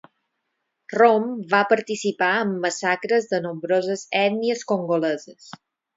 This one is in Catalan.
Rom va participar en massacres de nombroses ètnies congoleses.